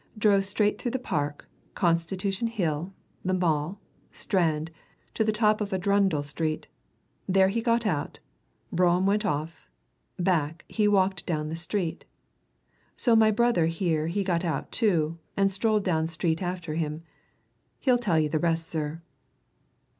"Drove straight through the Park, Constitution Hill, the Mall, Strand, to top of Arundel Street. There he got out; brougham went off back he walked down street. So my brother here he got out too, and strolled down street after him. He'll tell you the rest, sir."